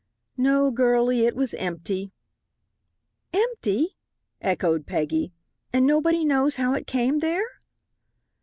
"No, girlie, it was empty." "Empty!" echoed Peggy, "and nobody knows how it came there?"